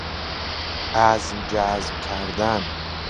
عزم جزم کردن